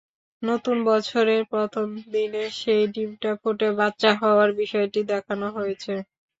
নতুন বছরের প্রথম দিনে সেই ডিম ফুটে বাচ্চা হওয়ার বিষয়টি দেখানো হয়েছে।